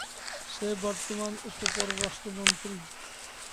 সে বর্তমান উপ-পরারাষ্ট্রমন্ত্রী।